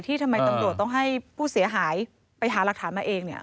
ทำไมตำรวจต้องให้ผู้เสียหายไปหารักฐานมาเองเนี่ย